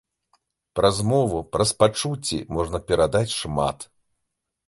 Праз мову, праз пачуцці можна перадаць шмат.